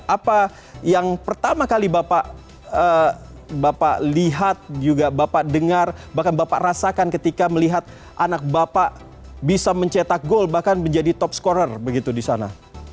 apa yang pertama kali bapak lihat juga bapak dengar bahkan bapak rasakan ketika melihat anak bapak bisa mencetak gol bahkan menjadi top scorer begitu di sana